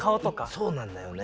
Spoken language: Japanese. そうなんだよね